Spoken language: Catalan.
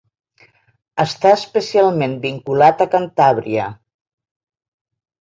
Està especialment vinculat a Cantàbria.